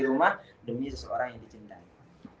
di rumah demi seseorang yang dicintai